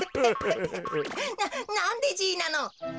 ななんでじいなの？